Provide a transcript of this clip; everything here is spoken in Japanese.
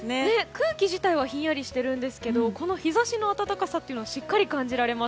空気自体はひんやりしているんですけれどこの日差しの暖かさをしっかり感じられます。